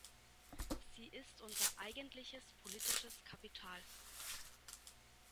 Sie ist unser eigentliches politisches Kapital.